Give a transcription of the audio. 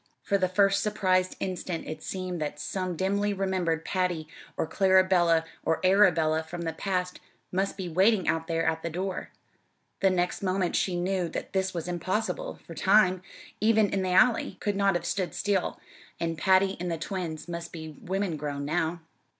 For the first surprised instant it seemed that some dimly remembered Patty or Clarabella or Arabella from the past must be waiting out there at the door; the next moment she knew that this was impossible, for time, even in the Alley, could not have stood still, and Patty and the twins must be women grown now.